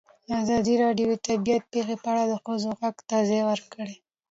ازادي راډیو د طبیعي پېښې په اړه د ښځو غږ ته ځای ورکړی.